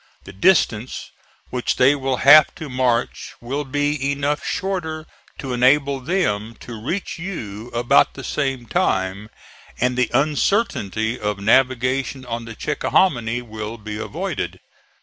The distance which they will have to march will be enough shorter to enable them to reach you about the same time, and the uncertainty of navigation on the Chickahominy will be avoided.